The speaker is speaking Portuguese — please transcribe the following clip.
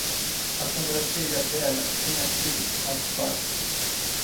A sombrancelha dela tinha sido raspada